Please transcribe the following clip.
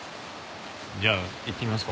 じゃあ行ってみますか？